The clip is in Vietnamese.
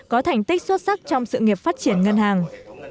có thành tích xuất sắc trong sự nghiệp phát triển ngân hàng